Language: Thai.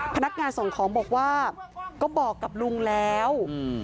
พนักงานส่งของบอกว่าก็บอกกับลุงแล้ว